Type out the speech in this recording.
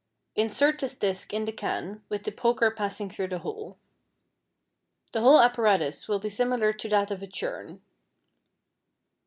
Insert this disc in the can with the poker passing through the hole. The whole apparatus will be similar to that of a churn.